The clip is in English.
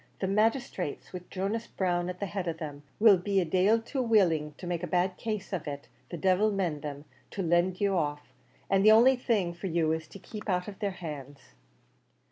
The magisthrates, with Jonas Brown at the head of them, will be a dail too willing to make a bad case of it, the divil mend them, to let you off; an' the only thing for you is, to keep out of their hands."